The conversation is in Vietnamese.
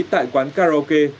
tại quán karaoke